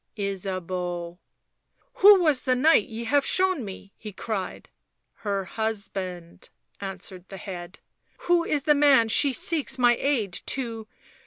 " Ysabeau." u Who was the knight ye have shown me ?" he cried. " Her husband," answered the head. *' Who is the man she seeks my aid to